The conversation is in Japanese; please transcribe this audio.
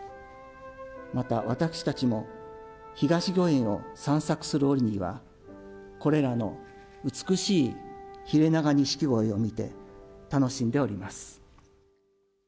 また私たちも、東御苑を散策する折には、これらの美しいヒレナガニシキゴイを見て、楽しんでおります。